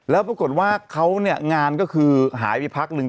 แล้วปรากฏว่าเขาเนี่ยงานก็คือหายไปพักหนึ่ง